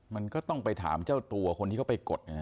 มันก็ต้องไปถามเจ้าตัวคนที่เขาไปกด